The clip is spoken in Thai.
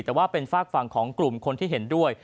แต่ว่าเป็นฝากฝั่งของกลุ่มคนที่เห็นด้วย